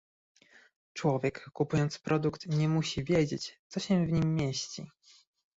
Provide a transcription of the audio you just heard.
Człowiek, kupując produkt, nie musi wiedzieć, co się w nim mieści